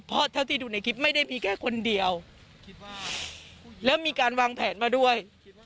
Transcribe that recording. เพราะเท่าที่ดูในคลิปไม่ได้มีแค่คนเดียวคิดว่าแล้วมีการวางแผนมาด้วย